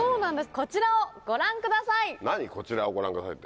こちらをご覧くださいって。